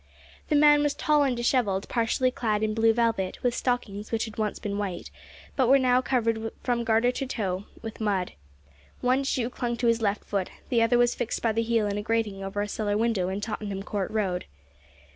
The man was tall and dishevelled, partially clad in blue velvet, with stockings which had once been white, but were now covered from garter to toe with mud. One shoe clung to his left foot, the other was fixed by the heel in a grating over a cellar window in Tottenham Court Road.